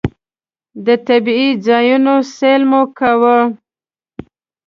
د طبعي ځایونو سیل مو کاوه.